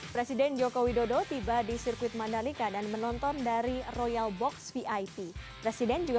presiden joko widodo tiba di sirkuit mandalika dan menonton dari royal box vip presiden juga